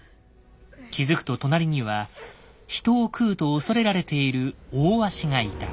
気付くと隣には人を喰うと恐れられている大鷲がいた。